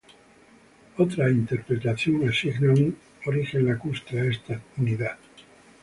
Otra interpretación asigna un origen lacustre a esta unidad.